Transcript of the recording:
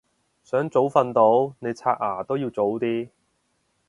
想早瞓到你刷牙都要早啲